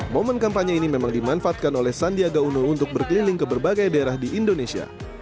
momen kampanye ini memang dimanfaatkan oleh sandiaga uno untuk berkeliling ke berbagai daerah di indonesia